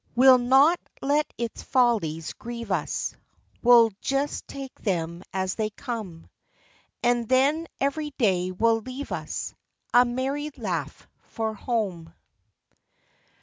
We 'll not let its follies grieve us, We 'll just take them as they come ; And then every day will leave us A merry laugh for home.